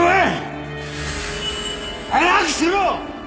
早くしろ！